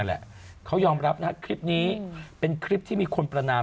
เอาแล้วเขารับนะคะคลิปนี้เป็นคลิปที่มีคนประนาม